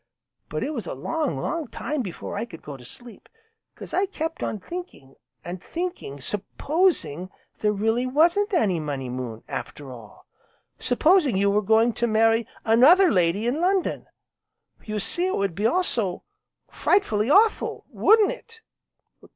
But it was a long, long time before I could go to sleep, 'cause I kept on thinking, an' thinking s'posing there really wasn't any Money Moon, after all! s'posing you were going to marry another lady in London! You see, it would all be so frightfully awful, wouldn't it?"